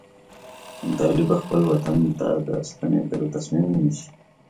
ابدالي به خپل وطن ته د ستنېدلو تصمیم ونیسي.